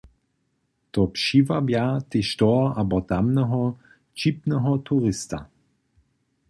To přiwabja tež toho abo tamneho wćipneho turista.